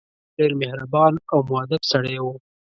ډېر مهربان او موءدب سړی وو.